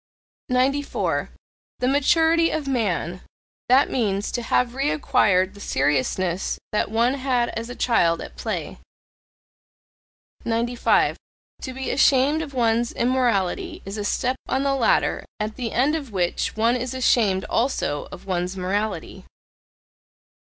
94. The maturity of man that means, to have reacquired the seriousness that one had as a child at play. 95. To be ashamed of one's immorality is a step on the ladder at the end of which one is ashamed also of one's morality.